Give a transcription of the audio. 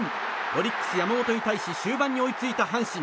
オリックス、山本に対して終盤に追いついた阪神。